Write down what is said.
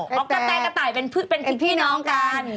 กะแต่กะไตเป็นพี่น้องการ